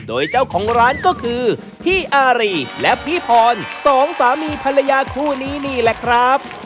โดยเจ้าของร้านก็คือพี่อารีและพี่พรสองสามีภรรยาคู่นี้นี่แหละครับ